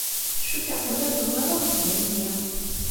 Cukkeɣ telliḍ tebɣiḍ axeddim-nni.